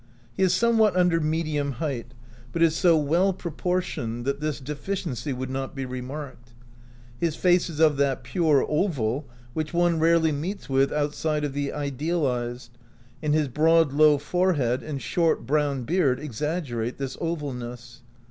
He is somewhat under medium height, but is so well proportioned that this deficiency would not be remarked. His face is of that pure oval which one rarely meets with outside of the idealized, and his broad, low forehead and short, brown beard exaggerate this ovalness.